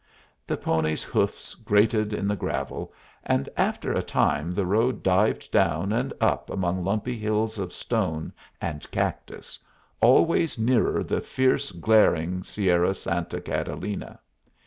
The pony's hoofs grated in the gravel, and after a time the road dived down and up among lumpy hills of stone and cactus, always nearer the fierce glaring Sierra Santa Catalina.